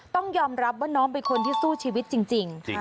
ต้องยอมรับว่าน้องเป็นคนที่สู้ชีวิตจริง